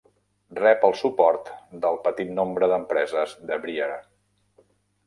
Rep el suport del petit nombre d'empreses de Brier.